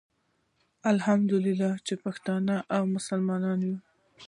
الحمدالله چي پښتون او مسلمان يم